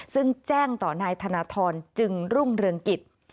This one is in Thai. ซึ่งแจ้งต่อนายธนทรจึงรุ่งเรืองกิจ